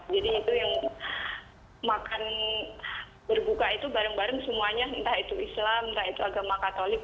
jadi itu yang makan berbuka itu bareng bareng semuanya entah itu islam entah itu agama katolik